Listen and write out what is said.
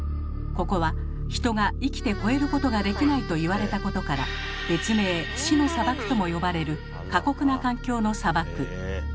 ここは人が生きて越えることができないと言われたことから別名「死の砂漠」とも呼ばれる過酷な環境の砂漠。